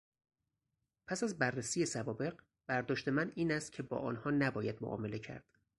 پس از بررسی سوابق، برداشت من این است که با آنها نباید معامله کرد.